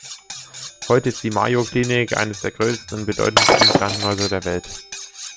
Heute ist die Mayo-Klinik eines der größten und bedeutendsten Krankenhäuser der Welt.